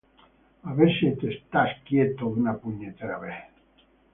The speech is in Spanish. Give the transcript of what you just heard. A ver si te estás quieto.